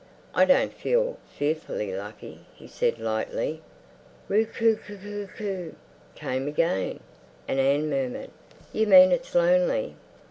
"I don't feel fearfully lucky," he said lightly. "Roo coo coo coo," came again. And Anne murmured, "You mean it's lonely."